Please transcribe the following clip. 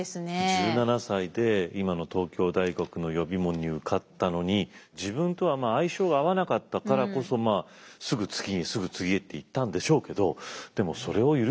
１７歳で今の東京大学の予備門に受かったのに自分とは相性が合わなかったからこそすぐ次へすぐ次へって行ったんでしょうけど。